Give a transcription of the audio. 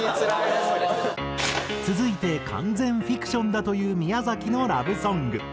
続いて完全フィクションだという宮崎のラブソング。